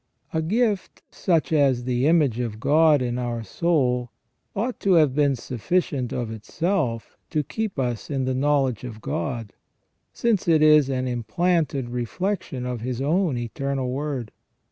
A gift such as the image of God in our soul ought to have been sufficient of itself to keep us in the knowledge of God, since it is an implanted reflection of His own Eternal Word.